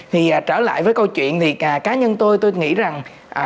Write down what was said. thì trở lại với câu chuyện thì cá nhân tôi tôi nghĩ rằng